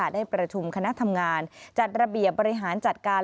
ได้ประชุมคณะทำงานจัดระเบียบบริหารจัดการ